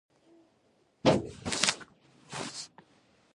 اخیر هم زما خبرې ته راغلې